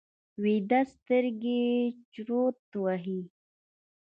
ویده سترګې چورت وهي